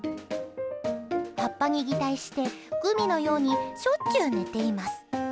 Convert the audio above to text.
葉っぱに擬態してグミのようにしょっちゅう寝ています。